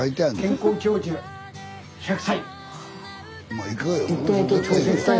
「健康長寿１００歳」。